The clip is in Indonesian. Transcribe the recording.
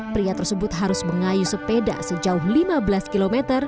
pria tersebut harus mengayu sepeda sejauh lima belas km